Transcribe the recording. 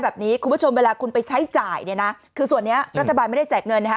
แบบนี้คุณผู้ชมเวลาคุณไปใช้จ่ายเนี่ยนะคือส่วนนี้รัฐบาลไม่ได้แจกเงินนะคะ